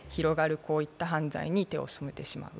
こういった犯罪に手を染めてしまう。